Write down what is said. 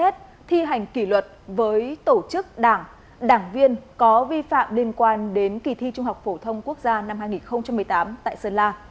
đã được xem xét thi hành kỷ luật với tổ chức đảng đảng viên có vi phạm liên quan đến kỳ thi trung học phổ thông quốc gia năm hai nghìn một mươi tám tại sơn la